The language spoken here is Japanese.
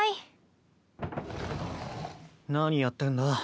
・スー何やってんだ？